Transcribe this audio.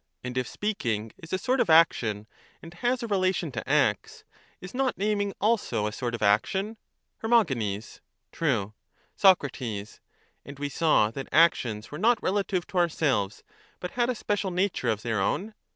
And if speaking is a sort of action and has a relation to acts, is not naming also a sort of action? Her. True. Soc. And we saw that actions were not relative to our selves, but had a special natiu"e of their own?